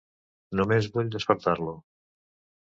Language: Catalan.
Només vull despertar-lo.